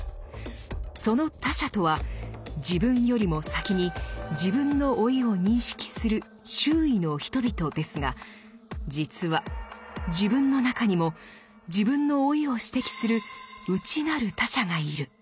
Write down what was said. その他者とは自分よりも先に自分の老いを認識する「周囲の人々」ですが実は自分の中にも自分の老いを指摘する「内なる他者」がいる。